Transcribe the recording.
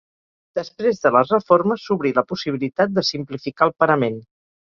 Després de les reformes, s'obrí la possibilitat de simplificar el parament.